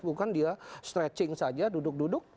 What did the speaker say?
bukan dia stretching saja duduk duduk